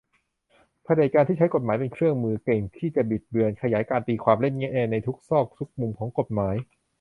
เผด็จการที่ใช้กฎหมายเป็นเครื่องมือ เก่งที่จะบิดเบือน ขยายการตีความ เล่นแง่ในทุกซอกทุกมุมของกฎหมาย